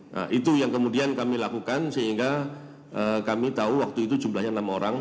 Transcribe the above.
nah itu yang kemudian kami lakukan sehingga kami tahu waktu itu jumlahnya enam orang